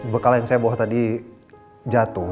bekal yang saya bawa tadi jatuh